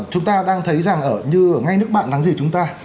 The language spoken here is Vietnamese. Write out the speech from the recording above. chúng ta đang thấy rằng ở như ngay nước bạn nắng dưới chúng ta